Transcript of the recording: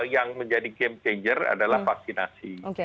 yang menjadi game changer adalah vaksinasi